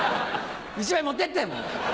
１枚持ってってもう。